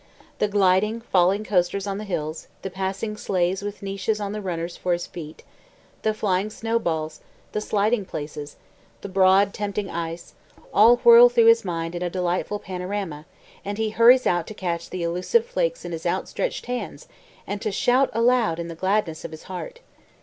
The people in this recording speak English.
The gliding, falling coasters on the hills, the passing sleighs with niches on the runners for his feet, the flying snowballs, the sliding places, the broad, tempting ice, all whirl through his mind in a delightful panorama, and he hurries out to catch the elusive flakes in his outstretched hands and to shout aloud in the gladness of his heart.